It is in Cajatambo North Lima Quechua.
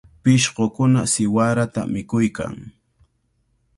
Pishqukuna siwarata mikuykan.